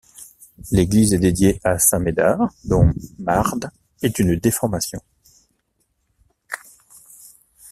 L’église est dédiée à Saint-Médard, dont Mard est une déformation.